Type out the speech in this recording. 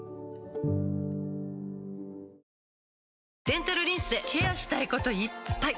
デンタルリンスでケアしたいこといっぱい！